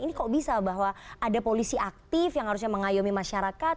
ini kok bisa bahwa ada polisi aktif yang harusnya mengayomi masyarakat